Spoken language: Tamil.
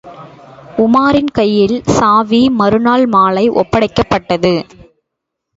உமாரின் கையில் சாவி மறுநாள் மாலை ஒப்படைக்கப் பட்டது.